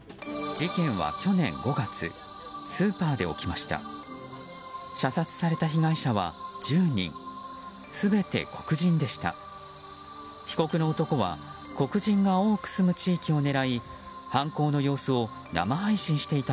事件は去年５月スーパーで起きました。